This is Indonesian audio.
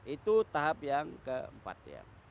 itu tahap yang keempat ya